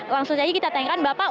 langsung saja kita tayangkan bapak